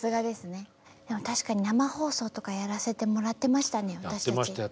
でも確かに生放送とかやらせてもらってましたね私たち。